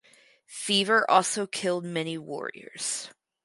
Fever also killed many warriors.